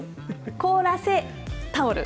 凍らせタオル。